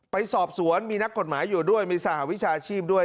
ไปสอบสวนมีนักกฎหมายอยู่ด้วยมีสหวิชาชีพด้วย